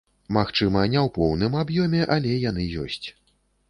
Магчыма, не ў поўным аб'ёме, але яны ёсць.